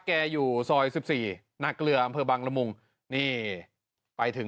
แกอยู่ซอยสิบสี่นาเกลืออำเภอบังละมุงนี่ไปถึง